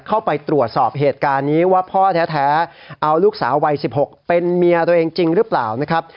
เข้าไปตรวจสอบเหตุการณ์นี้ว่าพ่อแท้เอาลูกสาววัย๑๖เป็นเมียตัวเองจริงหรือเปล่านะครับ